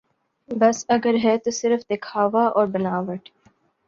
بس اگر ہے تو صرف دکھاوا اور بناوٹ